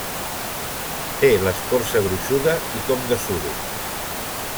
Té l'escorça gruixuda i com de suro.